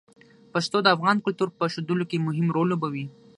پښتو د افغان کلتور په ښودلو کې مهم رول لوبوي.